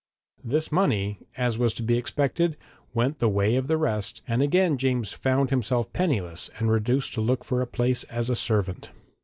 This money, as was to be expected, went the way of the rest, and again James found himself penniless and reduced to look for a place as a servant.